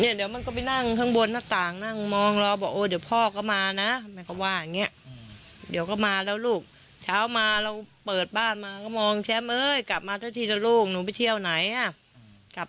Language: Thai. เนี่ยเดี๋ยวมันก็ไปนั่งข้างบนหน้าต่างนั่งมองบอกโอ้เดี๋ยวพ่อก็มานะมันก็ว่าอย่างเงี้ยเดี๋ยวก็มาแล้วลูก